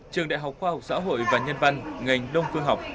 trường đại học khoa học xã hội và nhân văn ngành đông phương học